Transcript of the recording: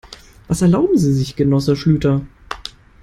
Was erlauben Sie sich, Genosse Schlüter?